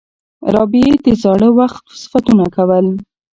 رابعې د زاړه وخت صفتونه کول.